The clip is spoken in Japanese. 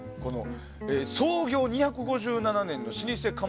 創業２５７年の老舗窯元